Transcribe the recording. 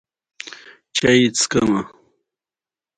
ازادي راډیو د د تګ راتګ ازادي وضعیت انځور کړی.